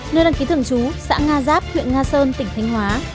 nơi đăng ký thưởng chú thị trấn cam đức huyện cam lâm tỉnh thánh hòa